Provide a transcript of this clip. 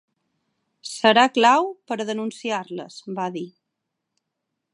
Serà clau per a denunciar-les, va dir.